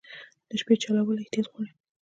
د شپې چلول احتیاط غواړي.